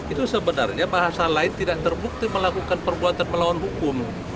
itu sebenarnya bahasa lain tidak terbukti melakukan perbuatan melawan hukum